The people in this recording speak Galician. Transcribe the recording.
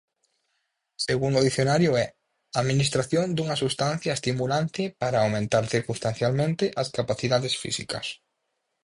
Segundo o dicionario é "administración dunha substancia estimulante para aumentar circunstancialmente as capacidades físicas".